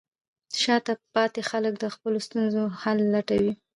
شاته پاتې خلک د خپلو ستونزو حل لټوي.